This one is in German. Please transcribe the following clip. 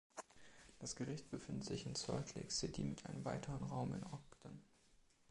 Das Gericht befindet sich in Salt Lake City mit einem weiteren Raum in Ogden.